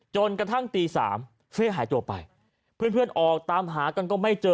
จนกระทั่งตี๓เฟ่หายตัวไปเพื่อนออกตามหากันก็ไม่เจอ